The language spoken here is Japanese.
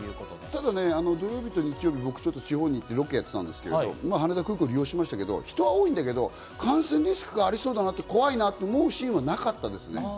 ただ、土曜日と日曜日、僕は地方でロケやってたんですけど、羽田空港を利用しましたけど、人は多いんだけど、感染リスクが怖いなと思う瞬間はなかったです。